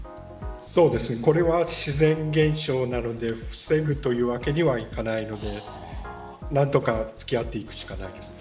これは自然現象なので防ぐというわけにはいかないので何とか付き合っていくしかないです。